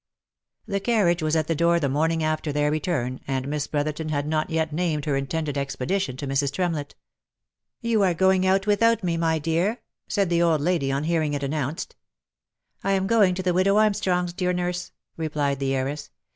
The carriage was at the door the morning after their return, and Miss Brotherton had not yet named her intended expedition to Mrs. Tremlett. " You are going out without me, my dear ?" said the old lady on hearing it announced. "lam going to the widow Armstrong's, dear nurse," replied the heiress.